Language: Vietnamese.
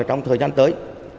trong thời gian tới